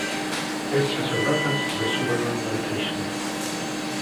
This is a reference to the Superman levitation.